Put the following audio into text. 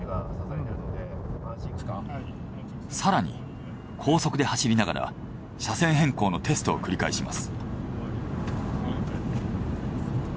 更に高速で走りながら車線変更のテストを繰り返します。